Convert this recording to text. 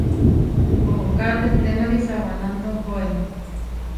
Ooká tehtémari sa wananto oʼhóe.